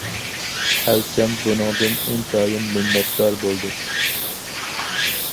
خەلچەم بۇنىڭدىن ئىنتايىن مىننەتدار بولدى.